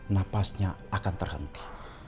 napasnya akan terhenti